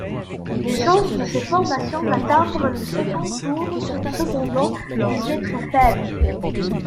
Les chances de ces formations d'atteindre le second tour sont cependant jugées très faibles.